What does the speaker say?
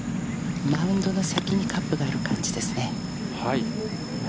マウンドの先にカップがある感じですね。